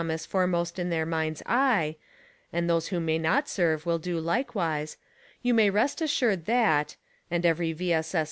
ise foremost in the minds eye, and those who may not serve will do likewise, you may rest assured, that — and every V. S. S.